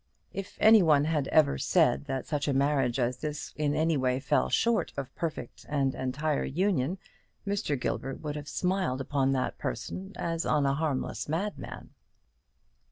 If any one had ever said that such a marriage as this in any way fell short of perfect and entire union, Mr. Gilbert would have smiled upon that person as on a harmless madman.